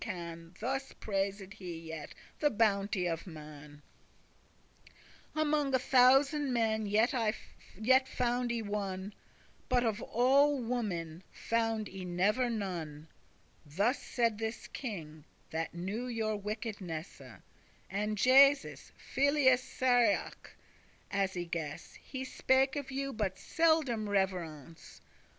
* *knows Thus praised he yet the bounte* of man: *goodness 'Among a thousand men yet found I one, But of all women found I never none.' <27> Thus said this king, that knew your wickedness; And Jesus, Filius Sirach, <28> as I guess, He spake of you but seldom reverence.